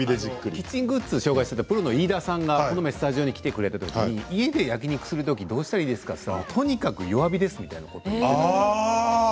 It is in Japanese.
キッチングッズを紹介していたプロの飯田さんがこの間スタジオに来てくれたときに家で焼き肉するときどうしたらいいですかと聞いたらとにかく弱火ですねと言っていました。